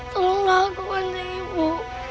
tolong aku kanjeng ibu